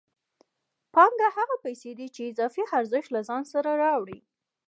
پانګه هغه پیسې دي چې اضافي ارزښت له ځان سره راوړي